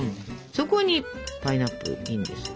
そこにパイナップルインですよ。